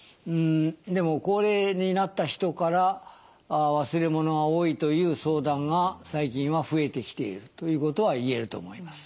でも高齢になった人から忘れ物が多いという相談が最近は増えてきているということは言えると思います。